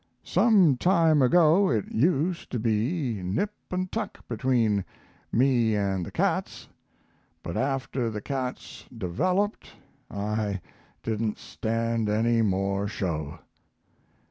Some time ago it used to be nip and tuck between me and the cats, but after the cats "developed" I didn't stand any more show.